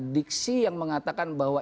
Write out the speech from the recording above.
diksi yang mengatakan bahwa